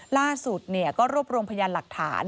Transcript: ล่าสุดเนี่ยก็รบรวมพยานหลักฐาน